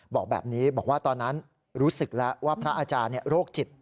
บอกแบบนี้บอกว่าตอนนั้นรู้สึกแล้วว่าพระอาจารย์โรคจิต